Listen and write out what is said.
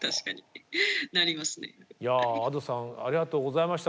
Ａｄｏさんありがとうございました。